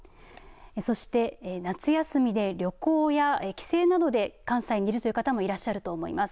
そして夏休みで旅行や帰省などで関西にいる方もいらっしゃると思います。